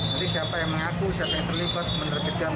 polres selayar menunggu hasil pemeriksaan polres selatan